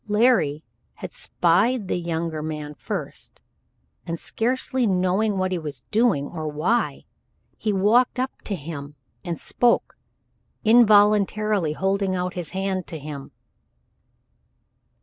Larry had spied the younger man first, and, scarcely knowing what he was doing, or why, he walked up to him, and spoke, involuntarily holding out his hand to him.